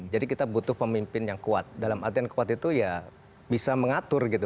jadi kita butuh pemimpin yang kuat dalam arti yang kuat itu ya bisa mengatur gitu